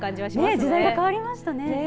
時代が変わりましたね。